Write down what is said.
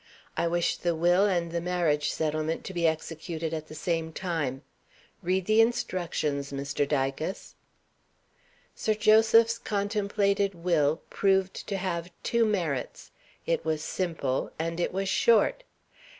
I wish the Will and the Marriage Settlement to be executed at the same time. Read the instructions, Mr. Dicas." Sir Joseph's contemplated Will proved to have two merits it was simple and it was short.